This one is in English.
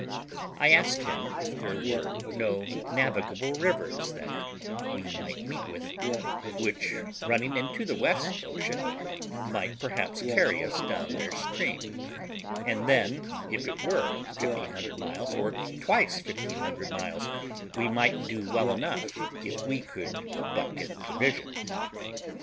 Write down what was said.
I asked him if there were no navigable rivers that we might meet with, which, running into the west ocean, might perhaps carry us down their stream, and then, if it were 1500 miles, or twice 1500 miles, we might do well enough if we could but get provisions.